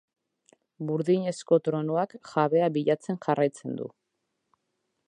Burdinezko tronuak jabea bilatzen jarraitzen du.